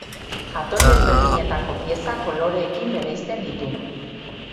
Jatorri ezberdinetako piezak koloreekin bereizten ditu.